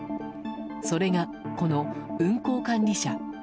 それが、この運航管理者。